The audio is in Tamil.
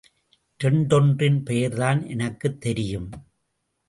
இரண்டொன்றின் பெயர்தான் எனக்குத் தெரியும்.